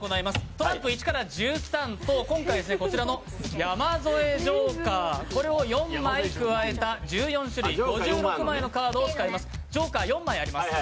トランプ１１３と、今回、こちらの山添ジョーカー、これを加えた１４種類×４の５６枚のカードを使います、ジョーカーは４枚ございます。